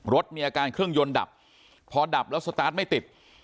รถมีอาการเครื่องยนต์ดับพอดับแล้วสตาร์ทไม่ติด